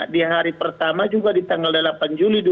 di hari pertama juga di tanggal delapan juli dua ribu dua puluh